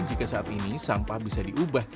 jika saat ini sampah bisa diubah